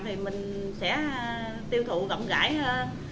thì mình sẽ tiêu thụ rộng rãi hơn